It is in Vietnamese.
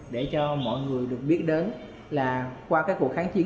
để cho mọi người được biết đến là qua các cuộc kháng chiến